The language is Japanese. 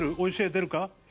出るか？